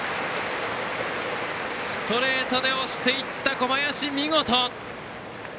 ストレートで押していった小林見事！